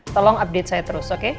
tolong update saya terus oke